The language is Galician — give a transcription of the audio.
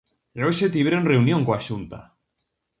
E hoxe tiveron reunión coa Xunta.